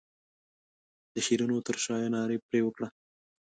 شیرینو تر شایه ناره پر وکړه.